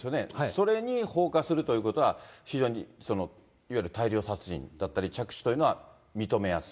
それに放火するということは、非常に、いわゆる大量殺人だったり、着手というのは認めやすい。